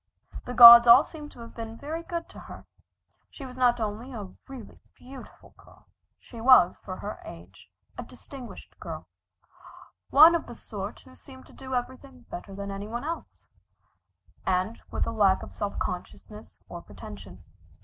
The gods all seemed to have been very good to her. She was not only a really beautiful girl, she was, for her age, a distinguished girl, one of the sort who seemed to do everything better than any one else, and with a lack of self consciousness or pretension.